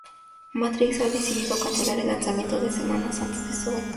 Matrix ha decidido cancelar el lanzamiento de semana antes de su venta.